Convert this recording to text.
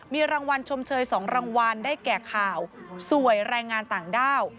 มีรางวัลชมเชย๒รางวัลได้แก่ข่าวสวยแรงงานต่างด้าว